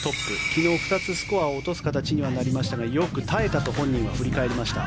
昨日２つスコアを落とす形にはなりましたがよく耐えたと本人は振り返りました。